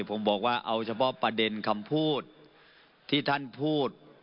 ผมบอกว่าเอาเฉพาะประเด็นคำพูดที่ท่านพูด